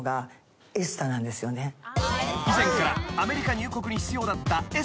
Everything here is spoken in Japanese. ［以前からアメリカ入国に必要だった］